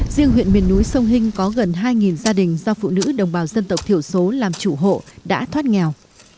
riêng huyện miền núi sông hinh có gần hai gia đình do phụ nữ đồng bào dân tộc thiểu số làm chủ hộ đã thoát nghèo